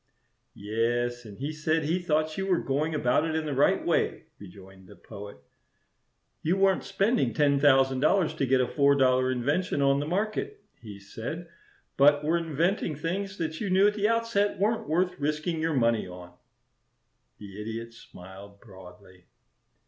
"Yes; and he said he thought you were going about it in the right way," rejoined the Poet. "You weren't spending ten thousand dollars to get a four dollar invention on the market, he said, but were inventing things that you knew at the outset weren't worth risking your money on." The Idiot smiled broadly.